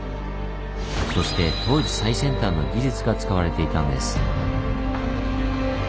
そして当時最先端の技術が使われていたんです。